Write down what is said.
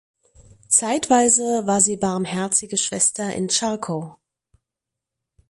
Zeitweise war sie Barmherzige Schwester in Charkow.